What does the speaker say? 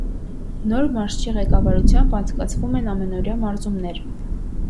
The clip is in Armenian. Նոր մարզչի ղեկավարությամբ անցկացվում են ամենօրյա մարզումներ։